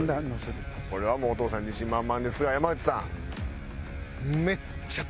これはもうお父さん自信満々ですが山内さん。え！？